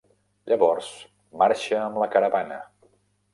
Llavors, marxa amb la caravana.